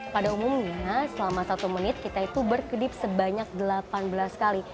pada umumnya selama satu menit kita itu berkedip sebanyak delapan belas kali